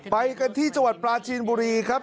ไปกันที่จังหวัดปลาจีนบุรีครับ